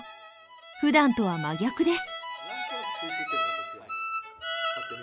ふだんとは真逆です。